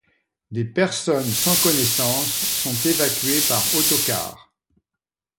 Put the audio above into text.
Des personnes sans connaissance sont évacuées par autocars.